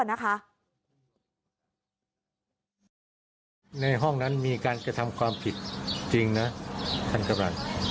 ในห้องนั้นมีการกระทำความผิดจริงนะท่านกำลัง